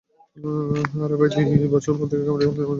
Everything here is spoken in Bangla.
আরে বাই, গত দুই বছর থেকে কামাঠিপুরার সভাপতি রাজিয়া বাই আছে।